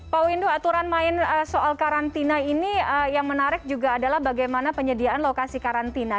pak windu aturan main soal karantina ini yang menarik juga adalah bagaimana penyediaan lokasi karantina